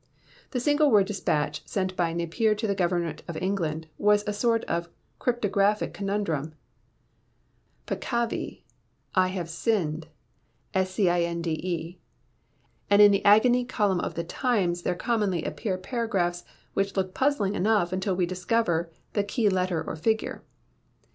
The single word despatch sent by Napier to the Government of India, was a sort of cryptographic conundrum Peccavi, I have sinned (Scinde); and in the agony column of the 'Times' there commonly appear paragraphs which look puzzling enough until we discover the key letter or figure.